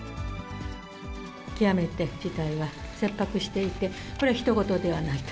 極めて事態は切迫していて、これはひと事ではないと。